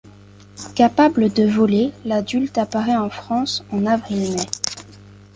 Capable de voler, l'adulte apparaît en France en avril - mai.